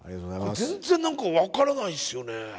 全然なんか分からないっすよね。